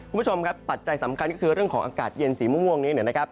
คุณผู้ชมครับปัจจัยสำคัญก็คือเรื่องของอากาศเย็นสีม่วงนี้นะครับ